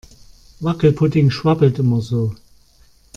Wackelpudding schwabbelt immer so.